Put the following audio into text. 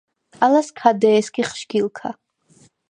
ალას ქა დე̄სგიხ შგილქა.